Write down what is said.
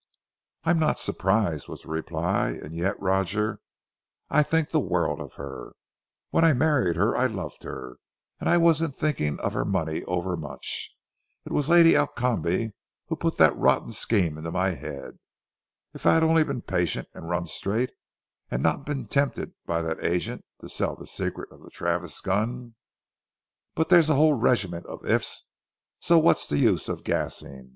"I'm not surprised," was the reply, "and yet, Roger, I think the world of her. When I married her I loved her and I wasn't thinking of her money overmuch. It was Lady Alcombe who put that rotten scheme in my head. If I'd only been patient, and run straight, and not been tempted by that agent to sell the secret of the Travis gun but there's a whole regiment of 'if's' so what's the use of gassing?